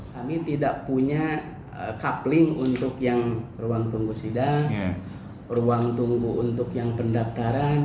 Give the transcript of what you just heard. kami tidak punya coupling untuk yang ruang tunggu sidang ruang tunggu untuk yang pendaftaran